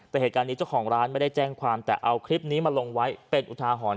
แต่เหตุการณ์นี้เจ้าของร้านไม่ได้แจ้งความแต่เอาคลิปนี้มาลงไว้เป็นอุทาหรณ์